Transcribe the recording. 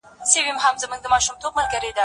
زه مخکي د ښوونځی لپاره امادګي نيولی وو.